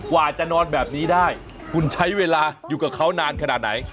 ว่าจะนอนแบบนี้ได้คุณใช้เวลาอยู่กับเขานานขนาดไหน